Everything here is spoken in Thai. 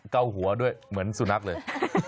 เก้าหัวด้วยเหมือนสุนัขเลย